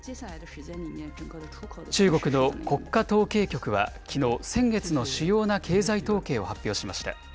中国の国家統計局はきのう、先月の主要な経済統計を発表しました。